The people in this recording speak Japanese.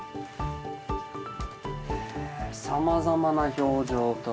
へえさまざまな表情と。